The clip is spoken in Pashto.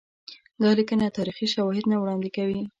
دا لیکنه تاریخي شواهد نه وړاندي کوي.